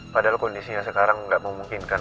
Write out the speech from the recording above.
padahal kondisinya sekarang nggak memungkinkan